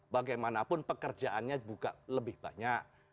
bagaimanapun pekerjaannya juga lebih banyak